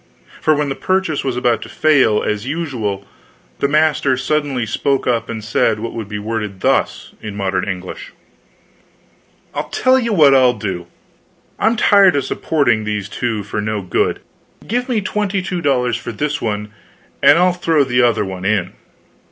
For when the purchase was about to fail, as usual, the master suddenly spoke up and said what would be worded thus in modern English: "I'll tell you what I'll do. I'm tired supporting these two for no good. Give me twenty two dollars for this one, and I'll throw the other one in."